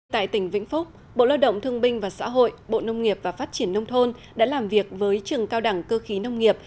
tại tỉnh vĩnh phúc bộ lao động thương binh và xã hội bộ nông nghiệp và phát triển nông thôn đã làm việc với trường cao đẳng cơ khí nông nghiệp